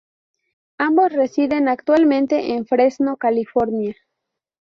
Ambos residen actualmente en Fresno, California.